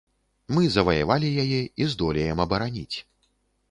Мы заваявалі яе і здолеем абараніць.